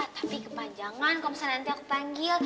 tapi kepanjangan kalau misalnya nanti aku panggil